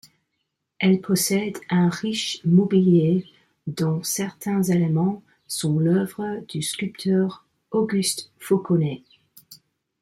Elle possède un riche mobilier dont certains éléments sont l'œuvre du sculpteur Auguste Fauconnet.